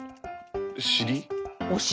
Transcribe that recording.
尻？